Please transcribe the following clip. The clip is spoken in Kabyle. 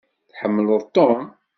Tḥemmleḍ Tom?